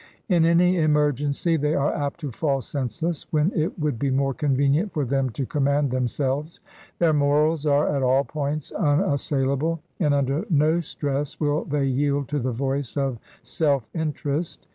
In any emergency they are apt to fall sense less, when it would be more convenient for them to com mand themselves; their morals are at all points xmas sailable; and under no stress will they yield to the voice of self interest.